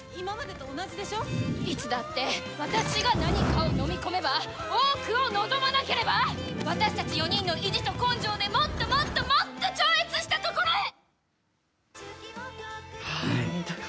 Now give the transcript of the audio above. いつだって私が何かを飲み込めば多くを望まなければ私たち４人の意地と根性でもっともっともっと超越したところへ！